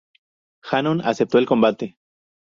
Hannón aceptó el combate.